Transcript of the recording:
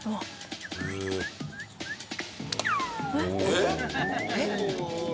えっ？えっ？